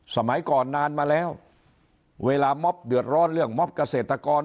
สมัยก่อนนานมาแล้วเวลาม็อบเดือดร้อนเรื่องม็อบเกษตรกร